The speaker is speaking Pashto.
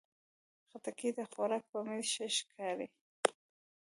خټکی د خوراک په میز ښه ښکاري.